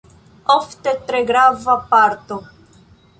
Ofte tre grava parto.